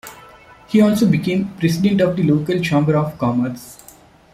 He also became president of the local Chamber of Commerce.